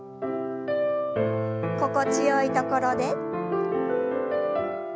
心地よいところで。